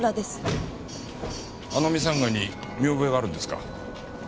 あのミサンガに見覚えがあるんですか？